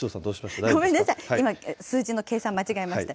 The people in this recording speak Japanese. ごめんなさい、今、計算間違えました。